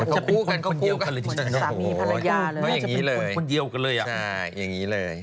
จะเป็นคนคนเดียวกันเลยพี่นีโน่โอ้ยอย่างนี้เลยใช่อย่างนี้เลย